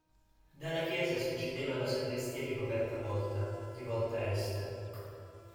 Dalla chiesa si accedeva alla sagrestia ricoperta a volta, rivolta a est.